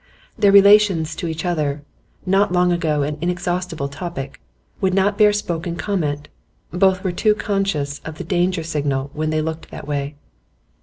Their relations to each other not long ago an inexhaustible topic would not bear spoken comment; both were too conscious of the danger signal when they looked that way.